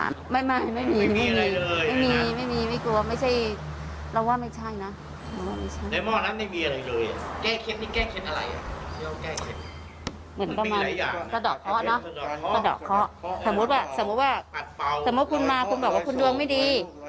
สมมุติว่าคุณมาคุณบอกว่าคุณดวงไม่ดี